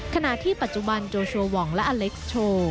ขณะที่ปัจจุบันโจโชวองและอเล็กซ์โชว์